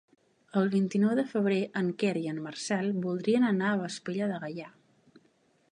El vint-i-nou de febrer en Quer i en Marcel voldrien anar a Vespella de Gaià.